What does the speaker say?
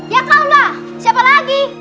ya kaulah siapa lagi